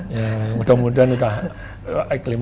ya mudah mudahan sudah iklim